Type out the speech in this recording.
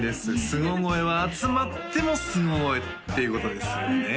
すご声は集まってもすご声っていうことですよね